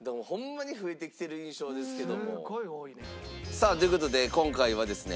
さあという事で今回はですね